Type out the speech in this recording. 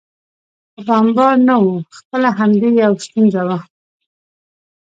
خو بمبار نه و، خپله همدې یو ستونزه وه.